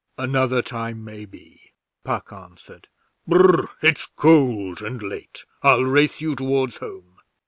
'Another time maybe,' Puck answered. 'Brr! It's cold and late. I'll race you towards home!'